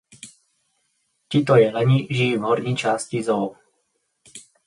Tito jeleni žijí v horní části zoo.